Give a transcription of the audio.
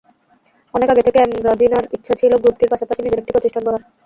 অনেক আগে থেকে এমরাজিনার ইচ্ছে ছিল গ্রুপটির পাশাপাশি নিজের একটি প্রতিষ্ঠান গড়ার।